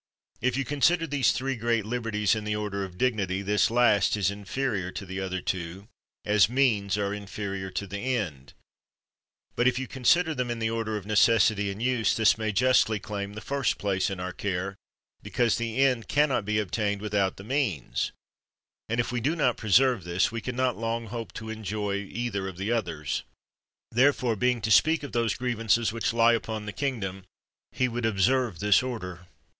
If you consider these three great liberties in the order of dignity, this last is inferior to the other two, as means are inferior to the end ; but, if you consider them in the order of necessity and use, this may justly claim the first place in our care, because the end can not be obtained without the means ; and if we do not preserve this, we can not long hope to enjoy either of the others. Therefore, being to speak of those grievances which lie upon the kingdom, he would observe this order.